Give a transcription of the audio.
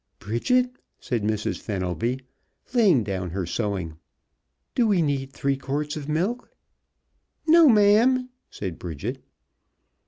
"Bridget," said Mrs. Fenelby, laying down her sewing, "do we need three quarts of milk?" "No, ma'am," said Bridget.